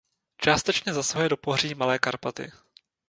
Částečně zasahuje do pohoří Malé Karpaty.